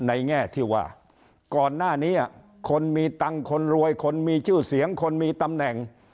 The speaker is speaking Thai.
แง่ที่ว่าก่อนหน้านี้คนมีตังค์คนรวยคนมีชื่อเสียงคนมีตำแหน่ง